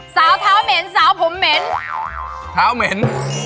สาวเท้าเหม็นสาวผมเหม็นเท้าเหม็น